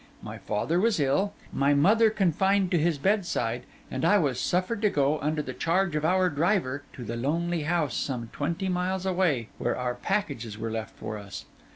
My father was ill; my mother confined to his bedside; and I was suffered to go, under the charge of our driver, to the lonely house some twenty miles away, where our packages were left for us.